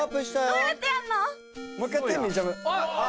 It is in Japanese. どうやってやんの？